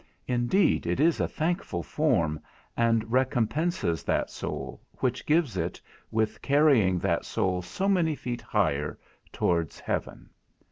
Indeed it is a thankful form, and recompenses that soul, which gives it, with carrying that soul so many feet higher towards heaven.